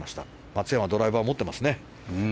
松山、ドライバーを持っていますね。